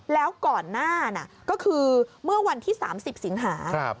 แล้วก่อนหน้าก็คือเมื่อวันที่๓๐สิงหา